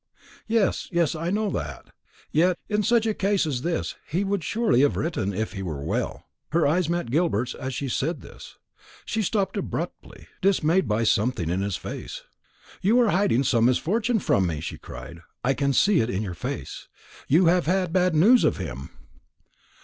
"Yes, yes, I know that. Yet, in such a case as this, he would surely have written, if he were well." Her eyes met Gilbert's as she said this. She stopped abruptly, dismayed by something in his face. "You are hiding some misfortune from me," she cried; "I can see it in your face. You have had bad news of him."